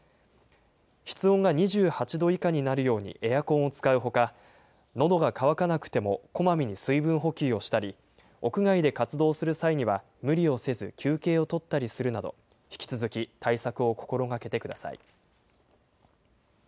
室温が２８度以下になるようにエアコンを使うほか、のどが渇かなくてもこまめに水分補給をしたり、屋外で活動する際には無理をせず、休憩を取ったりするなど、引き続き対策を心がけてください。